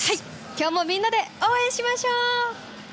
今日もみんなで応援しましょう！